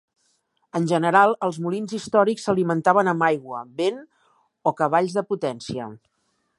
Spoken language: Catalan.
En general, els molins històrics s'alimentaven amb aigua, vent o cavalls de potència.